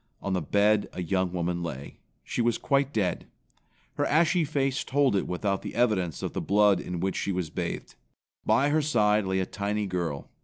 On the bed a young woman lay. She was quite dead. Her ashy face told it without the evidence of the blood in which she was bathed. By her side lay a tiny girl.